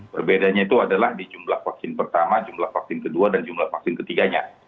berbedanya itu adalah di jumlah vaksin pertama jumlah vaksin kedua dan jumlah vaksin ketiganya